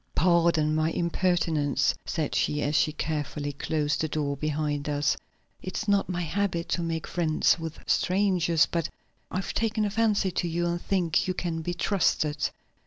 "Pardon my impertinence," said she, as she carefully closed the door behind us. "It's not my habit to make friends with strangers, but I've taken a fancy to you and think you can be trusted.